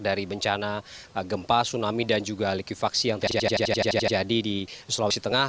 dari bencana gempa tsunami dan juga likuifaksi yang terjadi di sulawesi tengah